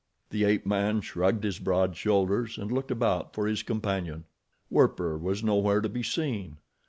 The ape man shrugged his broad shoulders and looked about for his companion. Werper was nowhere to be seen.